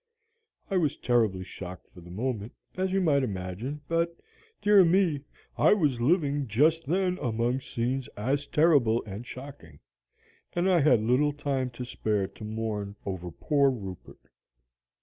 I was terribly shocked for the moment, as you may imagine; but, dear me, I was living just then among scenes as terrible and shocking, and I had little time to spare to mourn over poor Rupert.